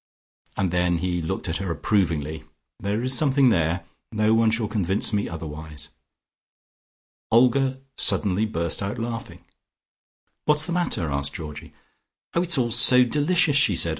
And then he looked at her approvingly. There is something there, no one shall convince me otherwise." Olga suddenly burst out laughing. "What's the matter?" asked Georgie. "Oh, it's all so delicious!" she said.